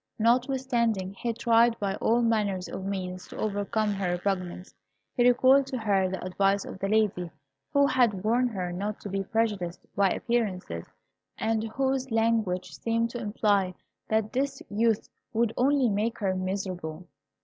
Notwithstanding, he tried by all manner of means to overcome her repugnance. He recalled to her the advice of the lady who had warned her not to be prejudiced by appearances, and whose language seemed to imply that this youth would only make her miserable.